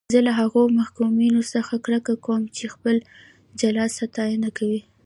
زه له هغو محکومینو څخه کرکه کوم چې خپل جلاد ستاینه کوي.